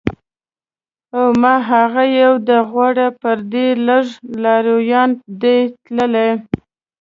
او ما هغه یوه ده غوره چې پرې لږ لارویان دي تللي